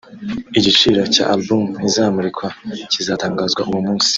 Igiciro cya album izamurikwa kizatangazwa uwo munsi